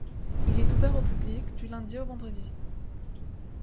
Il est ouvert au public du lundi au vendredi.